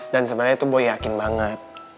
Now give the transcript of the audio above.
dan sebenarnya tuh gue yakin banget